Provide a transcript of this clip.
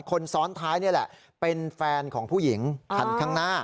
คนซ้อนท้ายนี่แหละเป็นแฟนของผู้หญิงคันข้างหน้า